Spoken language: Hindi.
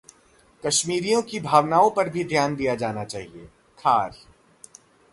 कश्मीरियों की भावनाओं पर भी ध्यान दिया जाना चाहिए: खार